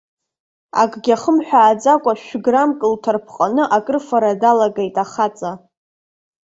Акгьы ахымҳәааӡакәа шә-граммк лҭарпҟаны акрыфара далагеит ахаҵа.